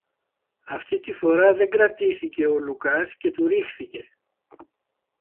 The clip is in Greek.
Αυτή τη φορά δεν κρατήθηκε ο Λουκάς και του ρίχθηκε